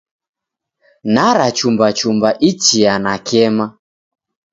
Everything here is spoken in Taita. Narachumbachuma ichia nakema.